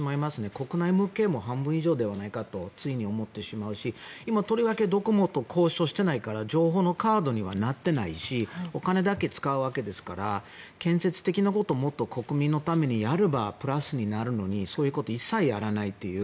国内向けの半分以上ではないかと思ってしまうし今、とりわけどこも交渉していないから譲歩のカードにはなってないしお金だけ使うわけですから建設的なことをもっと国民のためにやればプラスになるのにそういうことを一切やらないという